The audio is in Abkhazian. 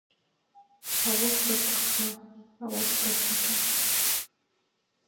Аусбарҭаҟны, аусбарҭаҿы.